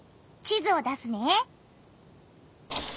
地図を出すね。